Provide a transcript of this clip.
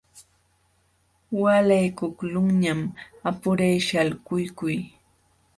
Waalaykuqlunñam apuray shalkukuy.